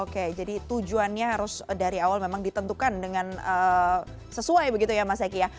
oke jadi tujuannya harus dari awal memang ditentukan dengan sesuai begitu ya mas eki ya